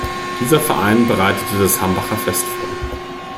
Dieser Verein bereitete das Hambacher Fest vor.